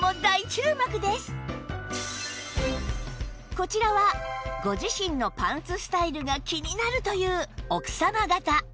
こちらはご自身のパンツスタイルが気になるという奥様方